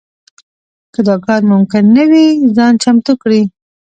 که دا کار ممکن نه وي ځان چمتو کړي.